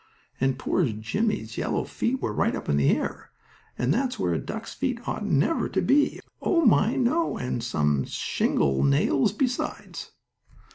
And poor Jimmie's yellow feet were right up in the air, and that's where a duck's feet ought never to be. Oh my, no! and some shingle nails besides.